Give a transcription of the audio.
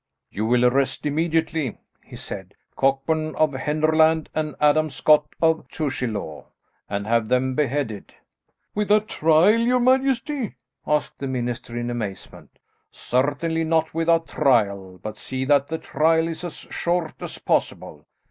"You will arrest immediately," he said, "Cockburn of Henderland, and Adam Scott of Tushielaw, and have them beheaded." "Without trial, your majesty?" asked the minister in amazement. "Certainly not without trial, but see that the trial is as short as possible.